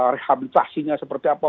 rehabilitasinya seperti apa